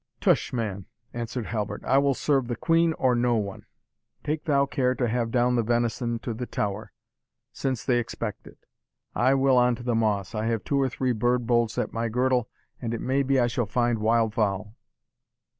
"Tush, man," answered Halbert, "I will serve the Queen or no one. Take thou care to have down the venison to the Tower, since they expect it. I will on to the moss. I have two or three bird bolts at my girdle, and it may be I shall find wild fowl."